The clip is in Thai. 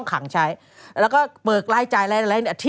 แล้วก็เปิดกลายใจอะไรอะไร